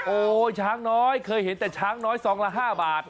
ช้างน้อยเคยเห็นแต่ช้างน้อยซองละ๕บาท